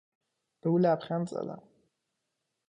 به او لبخند زدم.